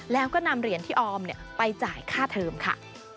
แล้วก็นำเหรียญที่ออมไปจ่ายค่าเทิมค่ะ